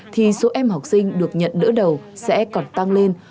thì số em học sinh được nhận đỡ đầu sẽ còn tăng lên